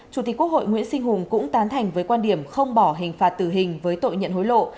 chủ tịch quốc hội nguyễn sinh hùng cũng tán thành với quan điểm không bỏ hình phạt tử hình với tội nhận hối lộ